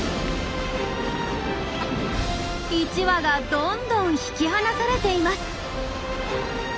１羽がどんどん引き離されています。